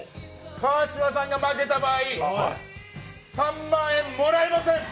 川島さんが負けた場合、３万円、もらえません！